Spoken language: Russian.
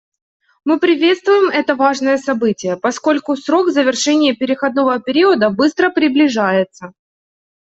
Мы приветствуем это важное событие, поскольку срок завершения переходного периода быстро приближается.